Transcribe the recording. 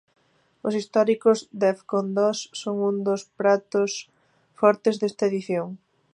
Os históricos Def Con Dos son un dos pratos fortes desta edición.